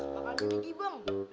bakalan jadi kibang